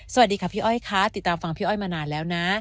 สวัสดีค่ะพี่อ้อยค่ะติดตามฟังพี่อ้อยมานานแล้วนะ